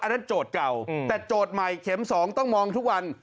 นั่นโจทย์เก่าแต่โจทย์ใหม่เข็ม๒ต้องมองทุกวัน